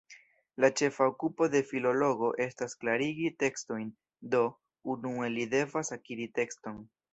La ĉefa okupo de filologo estas klarigi tekstojn, do, unue, li devas akiri tekston.